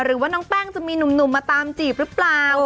หรือว่าน้องแป้งจะมีหนุ่มมาตามจีบหรือเปล่า